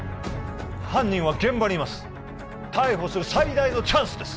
犯人は現場にいます逮捕する最大のチャンスです